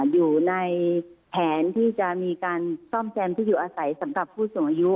อยู่ในแผนที่จะมีการซ่อมแซมที่อยู่อาศัยสำหรับผู้สูงอายุ